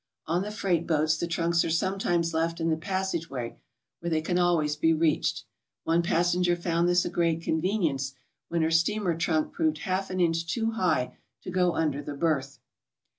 On the freight boats the trunks are sometimes left in the passage way, where they can alwiays be reached. One passenger found this a great con venience when her steamer trunk proved half an inch too htgh to go under the berth.